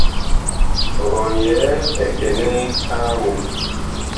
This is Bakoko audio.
Ngɔn yɛɛ ɛ kɛnɛɛ a awug.